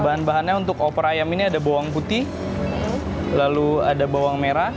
bahan bahannya untuk opor ayam ini ada bawang putih lalu ada bawang merah